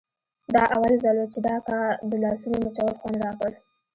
دا اول ځل و چې د اکا د لاسونو مچول خوند راکړ.